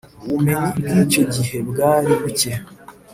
Ubumenyi bw’icyo gihe bwari bucye